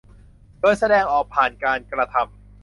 โดยแสดงออกผ่านการกระทำ